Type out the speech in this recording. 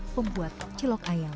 pembuat cilok ayam